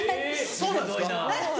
そうなんです。